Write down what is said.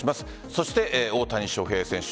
そして大谷翔平選手